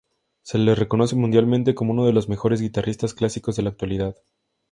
Se lo reconoce mundialmente como uno de los mejores guitarristas clásicos de la actualidad.